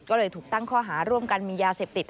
ก็เลยถูกตั้งข้อหาร่วมกันมียาเสพติด